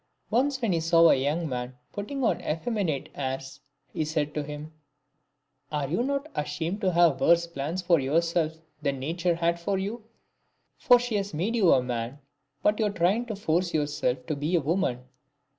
Once when he saw a young man putting on effeminate airs, he said to him, " Are you not ashamed to "have worse plans for yourself than nature had for you ? for she has made you a man, but you are trying to force yourself to be a woman."